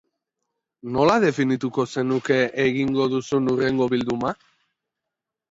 Nola definituko zenuke egingo duzun hurrengo bilduma?